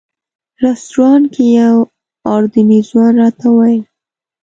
رسټورانټ کې یو اردني ځوان راته وویل.